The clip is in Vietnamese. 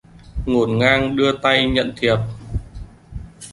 Ngổn ngang đưa tay nhận thiệp